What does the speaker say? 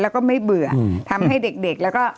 แล้วก็ไม่เบื่อทำให้เด็กแล้วก็